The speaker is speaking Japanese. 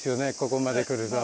ここまで来ると。